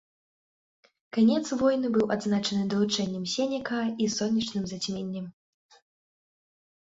Канец войн быў адзначаны далучэннем сенека і сонечным зацьменнем.